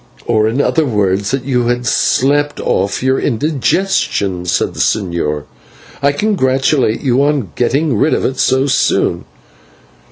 "Or in other words, that you had slept off your indigestion," said the señor. "I congratulate you on getting rid of it so soon."